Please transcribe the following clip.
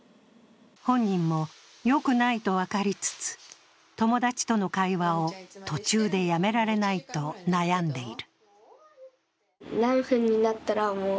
本人もよくないと分かりつつ、友達との会話を途中でやめられないと悩んでいる。